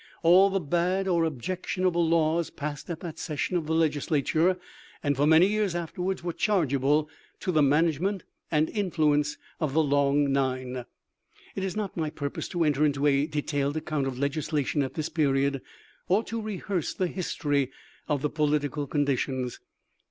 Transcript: All the bad or objectional laws passed at that session of the Legislature and for many years afterwards were chargeable to the management and influence of the 'Long Nine.'" It is not my purpose to enter into a detailed ac count of legislation at this period or to rehearse the history of the political conditions.